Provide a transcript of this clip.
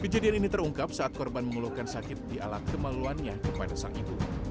kejadian ini terungkap saat korban mengeluhkan sakit di alat kemaluannya kepada sang ibu